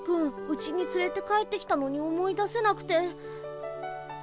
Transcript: うちにつれて帰ってきたのに思い出せなくて。